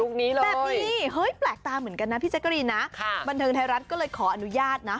แบบนี้เฮ้ยแปลกตาเหมือนกันนะพี่แจ๊กกะรีนนะบันเทิงไทยรัฐก็เลยขออนุญาตนะ